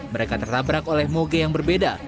mereka tertabrak oleh moge yang berbeda